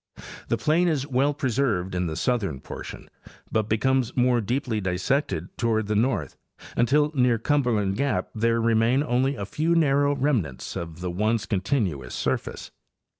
The plain is well preserved in the southern portion, but becomes more deeply dissected toward the north, until near Cumberland gap there remain only a few narrow remnants of the once con tinuous surface.